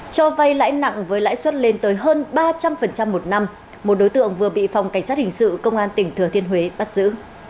cho vay lãi nặng với lãi suất lên tới hơn ba trăm linh một năm một đối tượng vừa bị phòng cảnh sát hình sự công an tỉnh thừa thiên huế bắt giữ